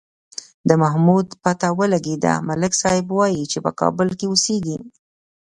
د محمود پته ولگېده، ملک صاحب وایي چې په کابل کې اوسېږي.